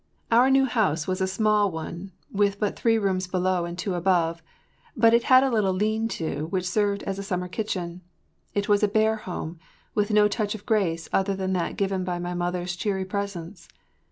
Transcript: Our new house was a small one with but three rooms below and two above, but it had a little lean to which served as a summer kitchen. It was a bare home, with no touch of grace other than that given by my mother’s cheery presence.